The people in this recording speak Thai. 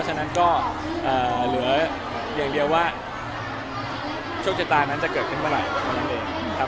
ฉะนั้นก็เหลืออย่างเดียวว่าโชคชะตาภารกิจนั้นจะเกิดขึ้นเมื่อไหร่